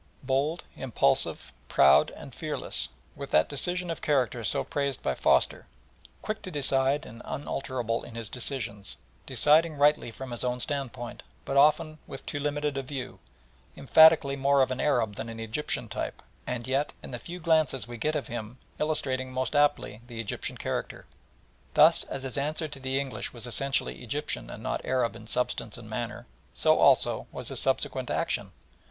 Bold, impulsive, proud and fearless, with that decision of character so praised by Foster; quick to decide and unalterable in his decisions, deciding rightly from his own standpoint, but often with too limited a view emphatically more of an Arab than an Egyptian type, and yet in the few glances we get of him, illustrating, most aptly, the Egyptian character. Thus, as his answer to the English was essentially Egyptian and not Arab in substance and manner, so also was his subsequent action.